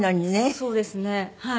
そうですねはい。